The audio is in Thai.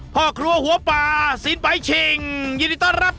พ่อครัวหัวป่าสินไปชิงยินดีต้อนรับ